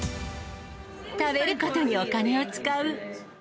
食べることにお金を使う。